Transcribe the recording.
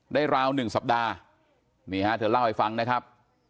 ราวหนึ่งสัปดาห์นี่ฮะเธอเล่าให้ฟังนะครับ